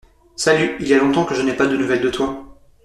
Salut, il y a longtemps que je n'ai pas de nouvelles de toi.